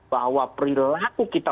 bahwa perilaku kita